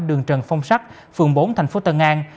đường trần phong sắc phường bốn tp tân an